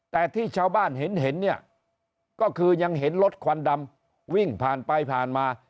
แต่ที่ชาวบ้านเห็นเห็นเนี่ยก็คือยังเห็นรถควันดำวิ่งผ่านไปผ่านมา